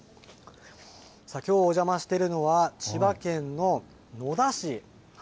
きょうお邪魔してるのは、千葉県の野田市。